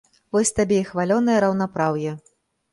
Вось табе і хвалёнае раўнапраўе.